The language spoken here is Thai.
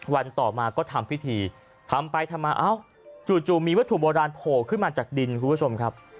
วันต่อมาก็ทำพิธีทำไปทำมาเอ้าจู่มีวัตถุโบราณโผล่ขึ้นมาจากดินคุณผู้ชมครับ